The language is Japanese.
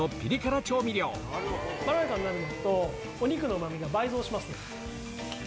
まろやかになるのと、お肉のうまみが倍増しますね。